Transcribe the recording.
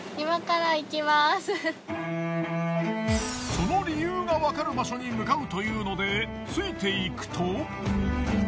その理由がわかる場所に向かうというのでついていくと。